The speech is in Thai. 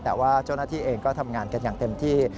แต่ว่าเจ้าหน้าที่เองก็ทำงานกันอย่างเต็มที่